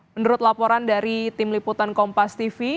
menurut laporan dari tim liputan kompas tv